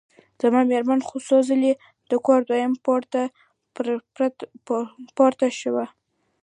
زما مېرمن څو ځلي د کور دویم پوړ ته پورته شوه.